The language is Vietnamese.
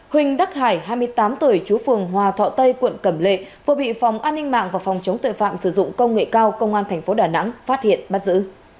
huỳnh đắc hải hai mươi tám tuổi chú phường hòa thọ tây quận cẩm lệ vừa bị phòng an ninh mạng và phòng chống tội phạm sử dụng công nghệ cao công an tp đà nẵng phát hiện bắt giữ